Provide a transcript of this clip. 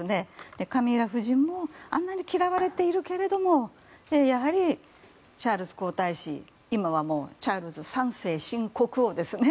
カミラ夫人もあんなに嫌われているけどもやはりチャールズ皇太子今はチャールズ３世新国王ですね。